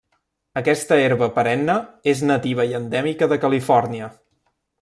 Aquesta herba perenne és nativa i endèmica de Califòrnia.